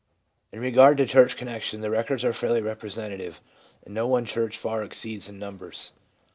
In regard to church connection, the records are fairly representative, and no one church far exceeds in numbers.